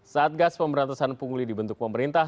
saat gas pemberantasan pungguli dibentuk pemerintah